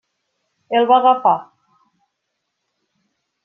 El va agafar.